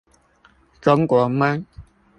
中國夢